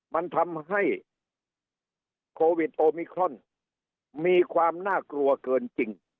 มันทำให้โควิดโอมิครอนมีความน่ากลัวเกินจริง